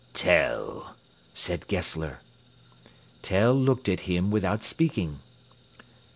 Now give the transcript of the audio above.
"Tell," said Gessler. Tell looked at him without speaking.